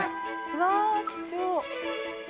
うわ貴重。